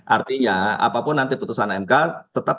artinya apapun nanti putusan mk tetap